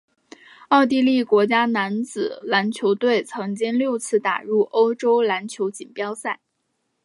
奥地利国家男子篮球队曾经六次打入欧洲篮球锦标赛。